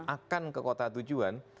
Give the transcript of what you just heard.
akan ke kota tujuan